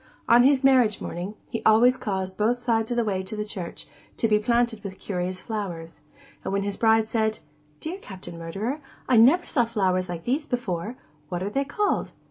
On his marriage morning, he always caused both sides of the way to church to be planted with curious flowers; and when his bride said, 'Dear Captain Murderer, I ever saw flowers like these before: what are they called?